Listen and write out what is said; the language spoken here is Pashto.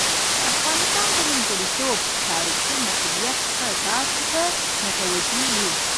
د افغانستان د نیمګړتوب تاریخي مسوولیت به تاسو ته متوجه وي.